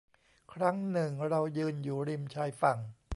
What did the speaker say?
ครั้งหนึ่งเรายืนอยู่ริมชายฝั่ง